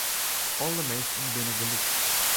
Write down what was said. Alle minsken binne gelyk.